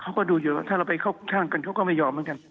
เขาก็ดูอยู่ว่าถ้าเราไปเข้าข้างกันเขาก็ไม่ยอมเหมือนกัน